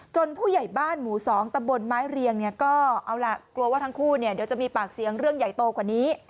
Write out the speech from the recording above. จนผู้ใหญ่บ้านหมูสองตะบนไม้เรียงก็กลัวว่าทั้งคู่จะมีปากเสียงเรื่องใหญ่โตกว่านี้